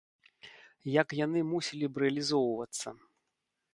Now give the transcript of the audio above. Як яны мусілі б рэалізоўвацца?